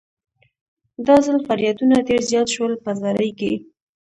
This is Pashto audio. دا ځل فریادونه ډېر زیات شول په زارۍ کې.